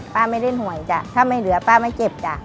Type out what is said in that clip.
ไม่ได้หวยจ้ะถ้าไม่เหลือป้าไม่เก็บจ้ะ